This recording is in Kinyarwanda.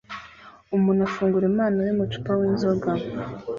Umuntu afungura impano yumucupa winzoga